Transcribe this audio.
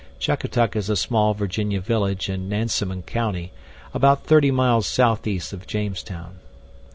(Chuckatuck is a small Virginia village in Nansemond County, about 30 miles southeast of Jamestown.)